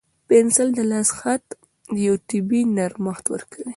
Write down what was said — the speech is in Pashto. پنسل د لاس خط ته یو طبیعي نرمښت ورکوي.